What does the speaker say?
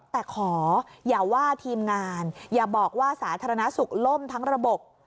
แต่ขออย่าว่าทีมงานอย่าบอกว่าสาธารณสุขล่มทั้งระบบ